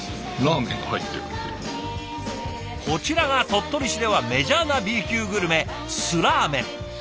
こちらが鳥取市ではメジャーなＢ級グルメ素ラーメン。